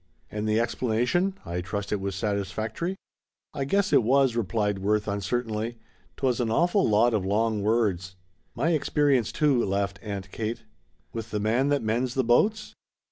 "And the explanation? I trust it was satisfactory?" "I guess it was," replied Worth uncertainly. "'Twas an awful lot of long words." "My experience, too," laughed Aunt Kate. "With the man that mends the boats?"